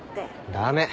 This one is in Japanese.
駄目。